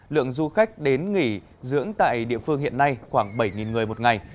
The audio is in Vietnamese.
lượng du khách đến nghỉ dưỡng tại địa phương hiện nay khoảng bảy người một ngày